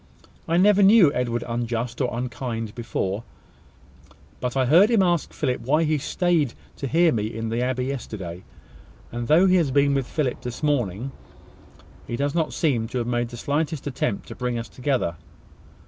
"I never knew Edward unjust or unkind before; but I heard him ask Philip why he staid to hear me in the abbey yesterday; and though he has been with Philip this morning, he does not seem to have made the slightest attempt to bring us together.